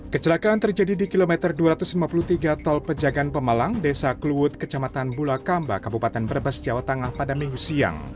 kecelakaan terjadi di kilometer dua ratus lima puluh tiga tol pejagan pemalang desa kluwut kecamatan bulakamba kabupaten brebes jawa tengah pada minggu siang